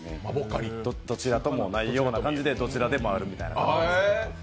どちらともないような感じでどちらでもあるという感じで。